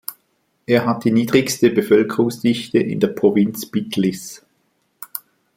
Er hat die niedrigste Bevölkerungsdichte in der Provinz Bitlis.